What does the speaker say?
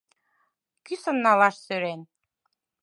Кӱсын налаш сӧрен.